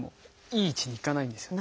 いい位置にいかないんですよ。